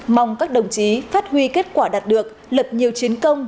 mong các đồng chí phát huy kết quả đạt được lập nhiều chiến công